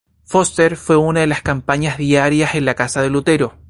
Forster fue una de las compañías diarias en la casa de Lutero.